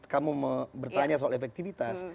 kamu bertanya soal efektivitas